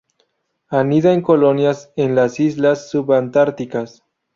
Anida en colonias en las islas subantárticas.